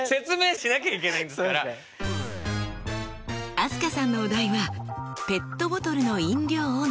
飛鳥さんのお題は「ペットボトルの飲料を飲む」。